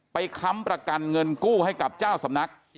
ค้ำประกันเงินกู้ให้กับเจ้าสำนัก